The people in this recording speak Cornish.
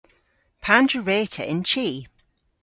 Pandr'a wre'ta y'n chi?